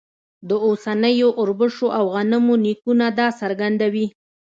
د اوسنیو اوربشو او غنمو نیکونه دا څرګندوي.